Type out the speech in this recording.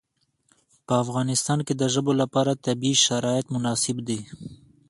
په افغانستان کې د ژبو لپاره طبیعي شرایط مناسب دي.